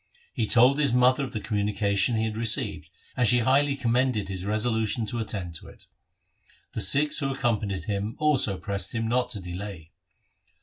He told his mother of the communica tion he had received, and she highly commended his resolution to attend to it. The Sikhs who ac companied him also pressed him not to delay.